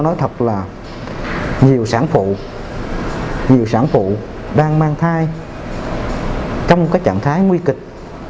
nói thật là nhiều sản phụ nhiều sản phụ đang mang thai trong cái trạng thái nguy kịch